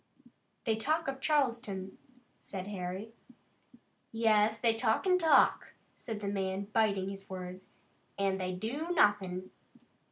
"They talk of Charleston," said Harry. "Yes, they talk an' talk," said the man, biting his words, "an' they do nothin'."